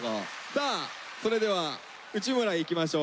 さあそれでは内村いきましょうか。